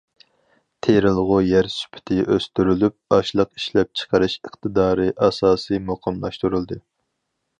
تېرىلغۇ يەر سۈپىتى ئۆستۈرۈلۈپ، ئاشلىق ئىشلەپچىقىرىش ئىقتىدارى ئاساسى مۇقىملاشتۇرۇلدى.